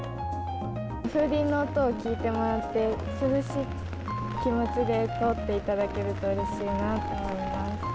風鈴の音を聞いてもらって、涼しい気持ちで通っていただけるとうれしいなと思います。